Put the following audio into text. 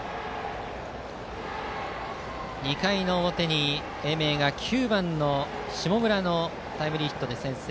２回の表に英明が９番の下村のタイムリーヒットで先制。